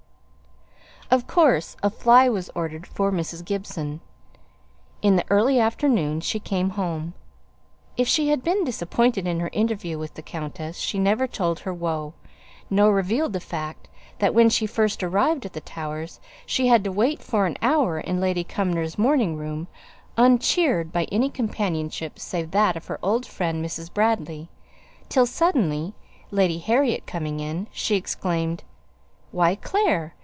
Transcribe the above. Of course a fly was ordered for Mrs. Gibson. In the early afternoon she came home. If she had been disappointed in her interview with the countess she never told her woe, nor revealed the fact that when she first arrived at the Towers she had to wait for an hour in Lady Cumnor's morning room, uncheered by any companionship save that of her old friend, Mrs. Bradley, till suddenly, Lady Harriet coming in, she exclaimed, "Why, Clare!